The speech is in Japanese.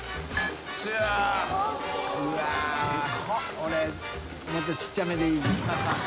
俺もっとちっちゃめでいい。